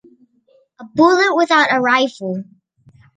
A bullet without a rifle!